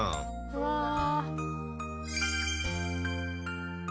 うわあ。